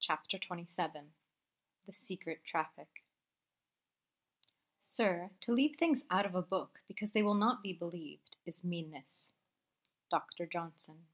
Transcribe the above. CHAPTER XXVII The Secret Traffic "Sir, to leave things out of a book because they will not be believed, is meanness." DR. JOHNSON.